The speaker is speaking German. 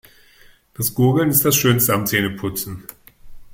Das Gurgeln ist das Schönste am Zähneputzen.